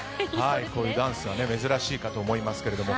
こういうダンスは珍しいかと思いますけども。